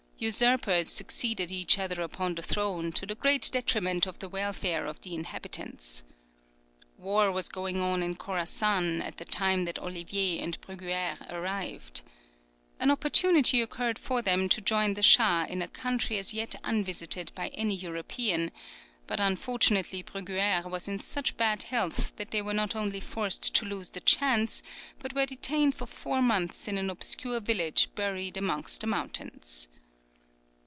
Usurpers succeeded each other upon the throne, to the great detriment of the welfare of the inhabitants. War was going on in Khorassan at the time that Olivier and Bruguère arrived. An opportunity occurred for them to join the shah in a country as yet unvisited by any European; but unfortunately Bruguère was in such bad health that they were not only forced to lose the chance, but were detained for four months in an obscure village buried amongst the mountains.